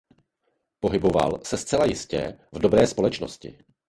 Pohyboval se zcela jistě v dobré společnosti.